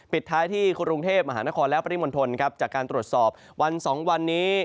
ปิดท้ายที่กรุงเทพมหานครและปริมณฑลครับจากการตรวจสอบวัน๒วันนี้